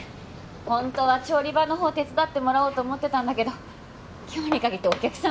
ホントは調理場の方手伝ってもらおうと思ってたんだけど今日に限ってお客さん